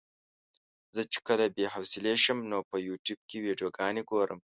زه چې کله بې حوصلې شم نو په يوټيوب کې ويډيوګانې ګورم.